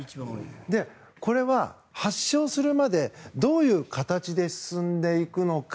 これは発症するまでどういう形で進んでいくのか。